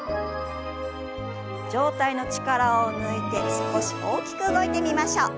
上体の力を抜いて少し大きく動いてみましょう。